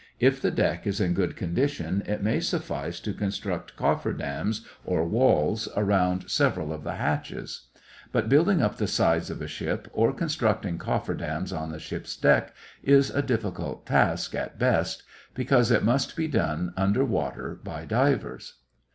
If the deck is in good condition, it may suffice to construct coffer dams or walls around several of the hatches. But building up the sides of a ship, or constructing coffer dams on the ship's deck is a difficult task, at best, because it must be done under water by divers.